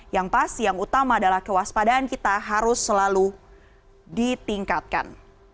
yang pas yang utama adalah kewaspadaan kita harus selalu ditingkatkan